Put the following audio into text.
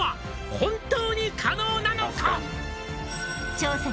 「本当に可能なのか」